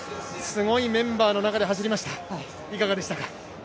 すごいメンバーの中で走りました、いかがでしたか？